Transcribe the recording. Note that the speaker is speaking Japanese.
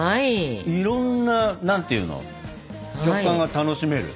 いろんな何ていうの食感が楽しめる。